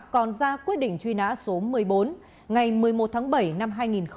còn ra quyết định truy nã số một mươi bốn ngày một mươi một tháng bảy năm hai nghìn một mươi